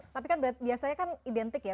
tapi kan biasanya kan identik ya